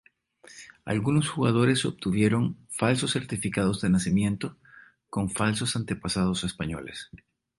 Algunos jugadores obtuvieron falsos certificados de nacimiento, con falsos antepasados españoles.